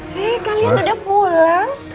eh kalian udah pulang